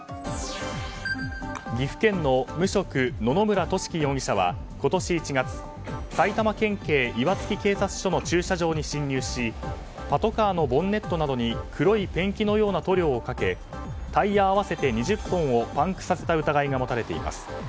岐阜県の無職野々村俊毅容疑者は今年１月埼玉県警岩槻警察署の駐車場に侵入しパトカーのボンネットなどに黒いペンキのような塗料をかけタイヤ合わせて２０本をパンクさせた疑いが持たれています。